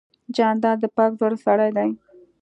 جانداد د پاک زړه سړی دی.